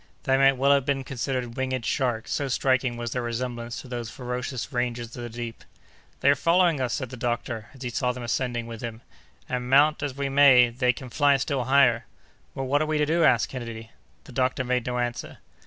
They might well have been considered winged sharks, so striking was their resemblance to those ferocious rangers of the deep. "They are following us!" said the doctor, as he saw them ascending with him, "and, mount as we may, they can fly still higher!" "Well, what are we to do?" asked Kennedy. The doctor made no answer.